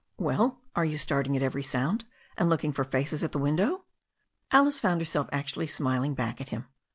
'Well, are you starting at every sound, and looking for faces at the window?" Alice found herself actually smiling back at him.